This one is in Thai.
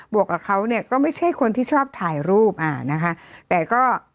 วกกับเขาเนี่ยก็ไม่ใช่คนที่ชอบถ่ายรูปอ่านะคะแต่ก็